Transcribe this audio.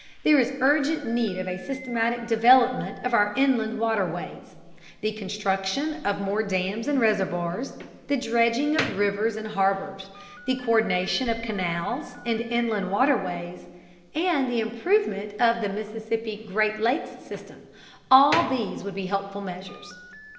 There is urgent need of a systematic development of our inland Waterways. The construction of more dams and reservoirs, the dredging of rivers and harbors, the co÷rdination of canals and inland waterways, and the improvement of the Mississippi Great Lakes system, all these would be helpful measures.